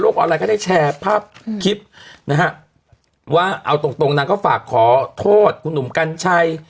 ออนไลน์ก็ได้แชร์ภาพคลิปนะฮะว่าเอาตรงตรงนางก็ฝากขอโทษคุณหนุ่มกัญชัย